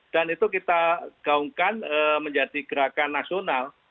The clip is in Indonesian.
dan itu kita gaungkan menjadi gerakan nasional